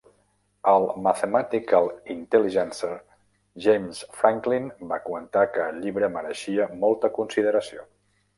Al "Mathematical Intelligencer", James Franklin va comentar que el llibre mereixia molta consideració.